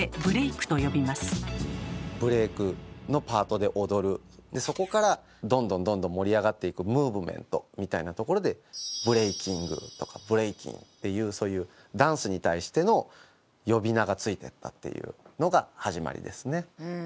でそこからどんどんどんどん盛り上がっていくムーブメントみたいなところで「ブレイキング」とか「ブレイキン」っていうそういうダンスに対しての呼び名が付いてったっていうのが始まりですね。